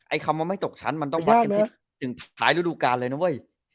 คำว่าไม่ตกชั้นมันต้องวัดกันคิดถึงท้ายฤดูการเลยนะเว้ย